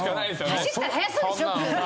走ったら速そうでしょ？キュウリ。